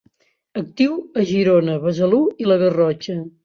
Actiu a Girona, Besalú i la Garrotxa.